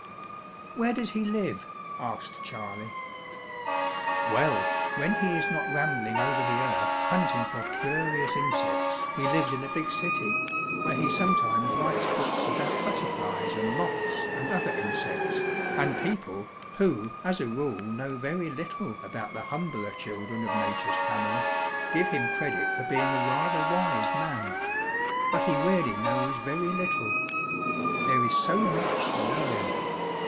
"Where does he live?" asked Charley. "Well, when he is not rambling over the earth hunting for curious insects he lives in a big city, where he sometimes writes books about butterflies and moths and other insects, and people, who as a rule know very little about the humbler children of nature's family, give him credit for being a rather wise man; but he really knows very little there is so much to learn.